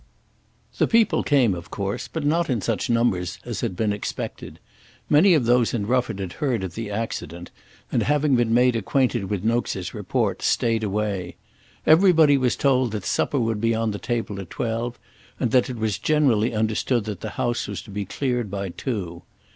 The people came of course, but not in such numbers as had been expected. Many of those in Rufford had heard of the accident, and having been made acquainted with Nokes's report, stayed away. Everybody was told that supper would be on the table at twelve, and that it was generally understood that the house was to be cleared by two.